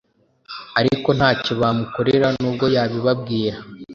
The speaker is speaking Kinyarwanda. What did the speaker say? ariko ntacyo bamukorera nubwp yabibabwira